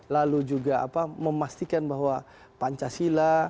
lalu juga memastikan bahwa pancasila